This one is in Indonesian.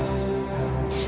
aku akan berhubung dengan fadil